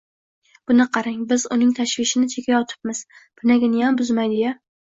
– Buni qarang, biz uning tashvishini chekayotibmiz, pinaginiyam buzmaydi-ya!